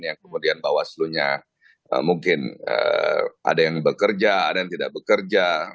yang kemudian bawaslu nya mungkin ada yang bekerja ada yang tidak bekerja